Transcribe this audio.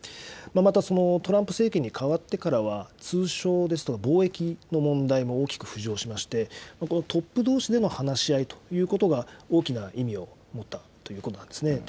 また、トランプ政権に代わってからは、通商ですとか、貿易の問題も大きく浮上しまして、このトップどうしでの話し合いということが大きな意味を持ったということなんですね。